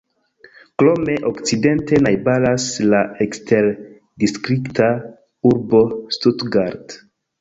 Krome okcidente najbaras la eksterdistrikta urbo Stuttgart.